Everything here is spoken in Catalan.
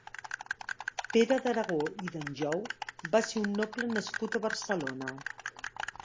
Pere d'Aragó i d'Anjou va ser un noble nascut a Barcelona.